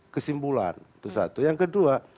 kesimpulan itu satu yang kedua